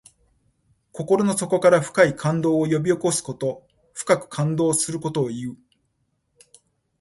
心の底から深い感動を呼び起こすこと。深く感動することをいう。